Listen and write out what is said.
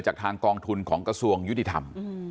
ทางกองทุนของกระทรวงยุติธรรม